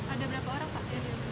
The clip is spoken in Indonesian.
ada berapa orang pak